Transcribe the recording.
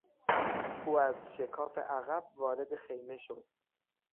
او از شکاف عقب وارد خیمه شد.